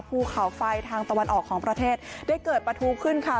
ภูเขาไฟทางตะวันออกของประเทศได้เกิดประทูขึ้นค่ะ